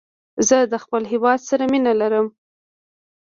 زه د خپل هېواد سره مینه لرم.